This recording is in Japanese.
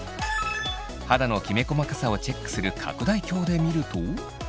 肌のきめ細かさをチェックする拡大鏡で見ると。